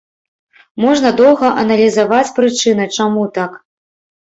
Можна доўга аналізаваць прычыны, чаму так.